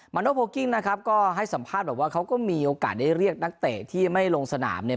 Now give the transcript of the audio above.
โนโพลกิ้งนะครับก็ให้สัมภาษณ์แบบว่าเขาก็มีโอกาสได้เรียกนักเตะที่ไม่ลงสนามเนี่ย